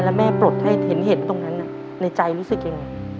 แล้วแม่ปลดให้เห็นเห็ดตรงนั้นในใจรู้สึกยังไง